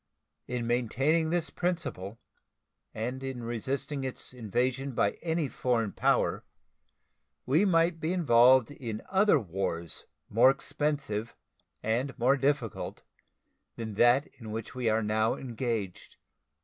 In maintaining this principle and in resisting its invasion by any foreign power we might be involved in other wars more expensive and more difficult than that in which we are now engaged.